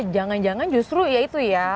bagus juga untuk perkawinan